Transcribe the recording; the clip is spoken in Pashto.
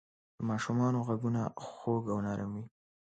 د ماشومانو ږغونه خوږ او نرم وي.